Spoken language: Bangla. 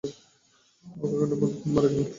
তারপর কয়েক ঘণ্টার মধ্যেই তিনি মারা গেলেন।